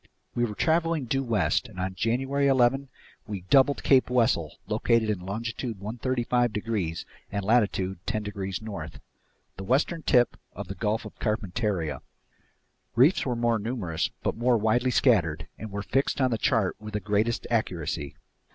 We were traveling due west and on January 11 we doubled Cape Wessel, located in longitude 135 degrees and latitude 10 degrees north, the western tip of the Gulf of Carpentaria. Reefs were still numerous but more widely scattered and were fixed on the chart with the greatest accuracy.